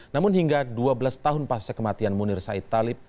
namun hingga dua belas tahun pasca kematian munir said talib